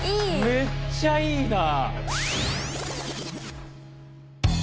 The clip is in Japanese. めっちゃいいな！